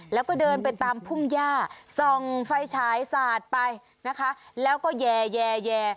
แล้วก็เดินไปตามพุ่มย่าส่องไฟฉายสาดไปนะคะแล้วก็แย่